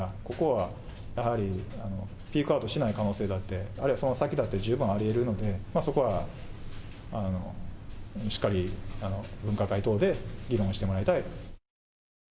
ここはやはりピークアウトしない可能性だって、あるいはその先だって、十分ありえるので、そこはしっかり分科会等で議論してもらいたい。